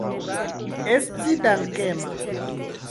Esti dankema.